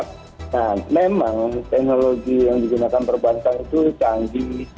nah memang teknologi yang digunakan perbankan itu canggih